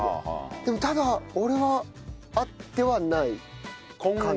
でもただ俺は会ってはないかな。